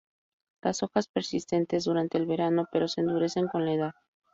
Las hojas persisten durante el verano, pero se endurece con la edad.